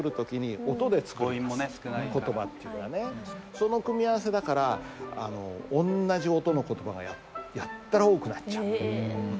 その組み合わせだからおんなじ音の言葉がやったら多くなっちゃう。